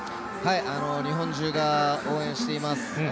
日本中が応援しています。